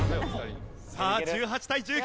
さあ１８対１９。